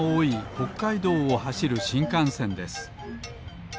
ほっかいどうをはしるしんかんせんです。